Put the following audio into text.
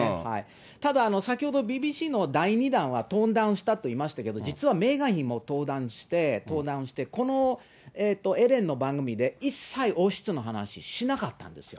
ただ、先ほどＢＢＣの第２弾はトーンダウンしたと言いましたけれども、実は、メーガン妃もトーンダウンして、このエレンの番組で、一切、王室の話しなかったんですよ。